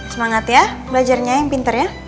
semangat ya belajarnya yang pinter ya